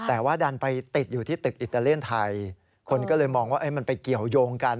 แต่ว่าดันไปติดอยู่ที่ตึกอิตาเลียนไทยคนก็เลยมองว่ามันไปเกี่ยวยงกัน